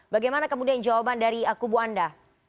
bagaimana kemudian jawaban dari kubu anda